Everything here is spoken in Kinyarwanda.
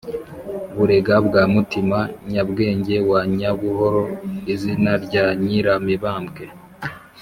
burega bwa mutima: nyabwenge wa nyabuhoro, izina rya nyiramibambwe